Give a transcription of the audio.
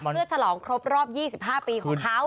เพื่อฉลองครบรอบ๒๕ปีของเขา